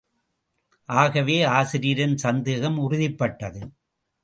ஆகவே, ஆசிரியரின் சந்தேகம் உறுதிப்பட்டது.